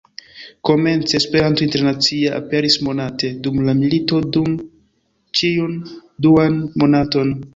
Komence "Esperanto Internacia" aperis monate, dum la milito nur ĉiun duan monaton.